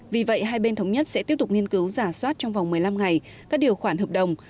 vì vậy hai bên thống nhất sẽ tiếp tục nghiên cứu giả soát trong vòng một mươi năm ngày các điều khoản hợp đồng